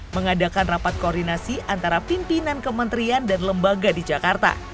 mengadakan rapat koordinasi antara pimpinan kementerian dan lembaga di jakarta